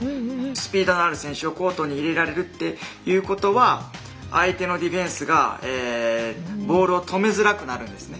スピードのある選手をコートに入れられるっていうことは相手のディフェンスがボールを止めづらくなるんですね。